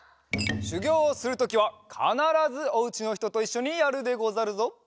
しゅぎょうをするときはかならずおうちのひとといっしょにやるでござるぞ。